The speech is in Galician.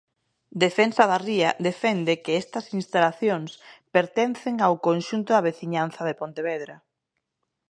Defensa da Ría defende que estas instalacións pertencen ao conxunto da veciñanza de Pontevedra.